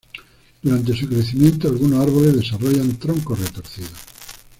Durante su crecimiento algunos árboles desarrollan troncos retorcidos.